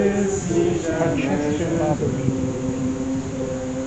Francesco Barberini refused.